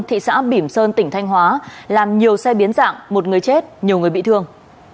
thị xã bỉm sơn tỉnh thanh hóa làm nhiều xe biến dạng một người chết nhiều người bị thương